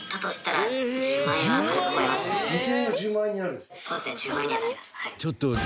１０万円にはなります。